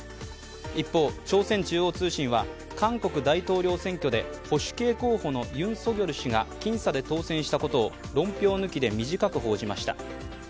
一方、朝鮮中央通信は韓国大統領選挙で保守系候補のユン・ソギョル氏が僅差で当選したことを論評抜きで短く報じました。